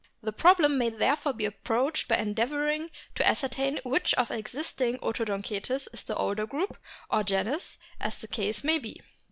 The problem may therefore be approached by endeavouring to ascertain which of existing Odonto ^5 *^ cetes is the older group or genus as the case may be.